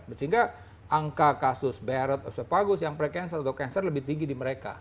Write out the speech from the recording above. sehingga angka kasus barrett osefagus yang pre cancer atau cancer lebih tinggi di mereka